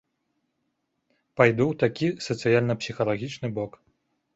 Пайду ў такі сацыяльна-псіхалагічны бок.